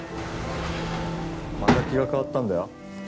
また気が変わったんだよ。